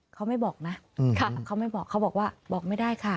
เขาไม่บอกนะเขาบอกว่าบอกไม่ได้ค่ะ